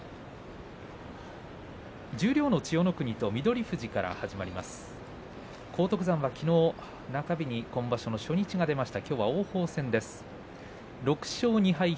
十両の千代の国と翠富士から始まります。